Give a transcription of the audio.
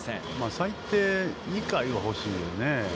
最低２回は欲しいよね。